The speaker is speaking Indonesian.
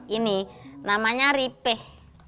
ini namanya ripeh